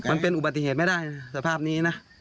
มันเป็นอุบัติเหตุไม่ได้สภาพนี้นะ